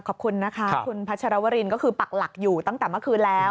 ขอบคุณนะคะคุณพัชรวรินก็คือปักหลักอยู่ตั้งแต่เมื่อคืนแล้ว